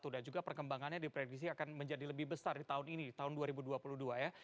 dan juga perkembangannya dipredisi akan menjadi lebih besar di tahun ini tahun dua ribu dua puluh dua ya